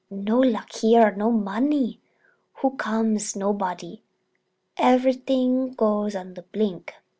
No luck here, no money. Who comes—nobody. Everything goes on the blink."